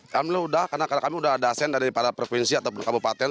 pemerintah sudah karena kami sudah ada asen dari para provinsi atau kabupaten